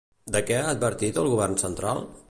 De què l'ha advertit el Govern central?